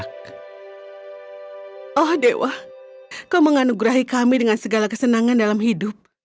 kau menghanugerahi kami dengan segala kesenangan dalam hidup